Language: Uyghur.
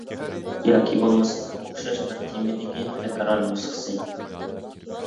ياكى بولمىسا ئوخشاش بىر تېمىدىكى تەكرار نۇسخىسى.